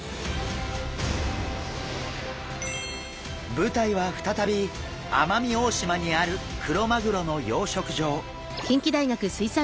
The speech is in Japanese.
舞台は再び奄美大島にあるクロマグロの養殖場。